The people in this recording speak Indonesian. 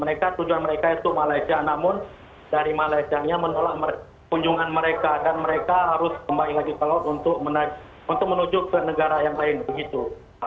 mereka tujuan mereka itu malaysia namun dari malaysianya menolak kunjungan mereka dan mereka harus kembali lagi ke laut untuk menuju ke negara yang lain begitu